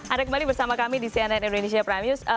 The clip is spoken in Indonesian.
ada kembali bersama kami di cnn indonesia prime news